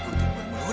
kan maksud makanan